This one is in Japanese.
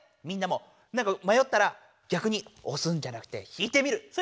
みんなもなんかまよったらぎゃくにおすんじゃなくて引いてみる。